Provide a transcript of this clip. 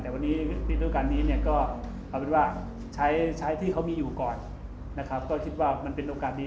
แต่วันนี้ที่โอกาสนี้ก็ใช้ที่เขามีอยู่ก่อนก็คิดว่ามันเป็นโอกาสดี